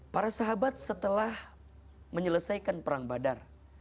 para sahabat setelah menyelesaikan perang badar